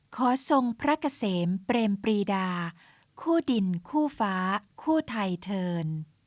ทรงพระเกษมเปรมปรีดาคู่ดินคู่ฟ้าคู่ไทเทิร์น